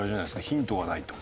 ヒントがないと。